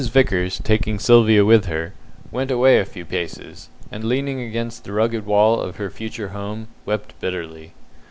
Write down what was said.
Vickers, taking Sylvia with her, went away a few paces, and leaning against the rugged wall of her future home, wept bitterly.